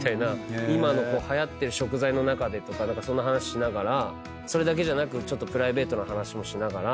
今のはやってる食材の中でとかそんな話しながらそれだけじゃなくちょっとプライベートな話もしながら。